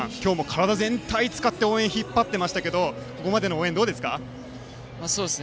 今日も体全体で応援を引っ張っていましたけどもここまでの応援はどうですか。